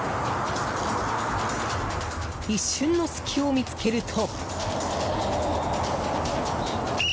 一瞬の隙を見つけると。